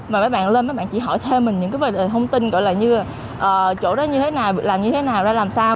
và mấy bạn lên mấy bạn chỉ hỏi thêm mình những cái vấn đề thông tin gọi là như chỗ ra như thế nào làm như thế nào ra làm sao